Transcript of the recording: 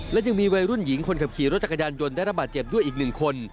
และยังมีวัยรุ่นหญิงคนขับขี่รถจักรยานยนต์ได้ระบาดเจ็บด้วยอีกหนึ่งคน